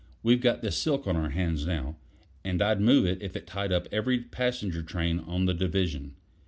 "We've got this silk on our hands now, and I'd move it if it tied up every passenger train on the division.